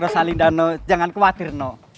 rosalindanuh jangan khawatir